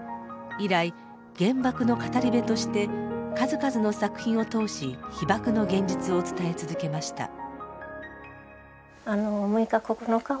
以来原爆の語り部として数々の作品を通し被爆の現実を伝え続けました。